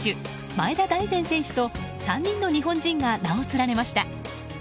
前田大然選手と３人の日本人が名を連ねました。